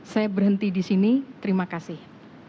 saya berhenti di sini terima kasih